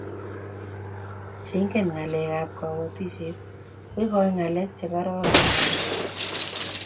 che ng'en ngalek ab kabatishiet koigain ngalek che kararan kabatik